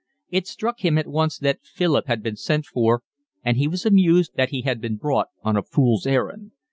It struck him at once that Philip had been sent for, and he was amused that he had been brought on a fool's errand.